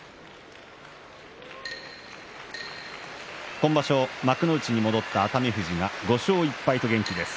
今場所、幕内に戻った熱海富士が５勝１敗と元気です。